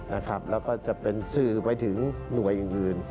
แล้วก็จะเป็นสื่อไปถึงหน่วยอื่น